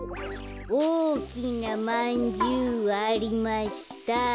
「おおきなまんじゅうありました」